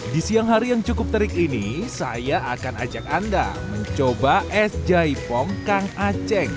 di siang hari yang cukup terik ini saya akan ajak anda mencoba es jaipom kang aceh